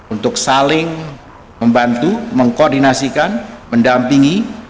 untuk saling membantu mengkoordinasikan mendampingi